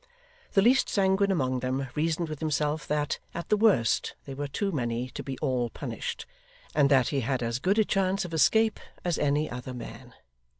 The least sanguine among them reasoned with himself that, at the worst, they were too many to be all punished, and that he had as good a chance of escape as any other man.